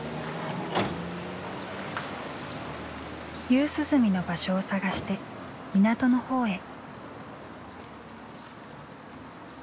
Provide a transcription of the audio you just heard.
夕涼みの場所を探して港の方へ。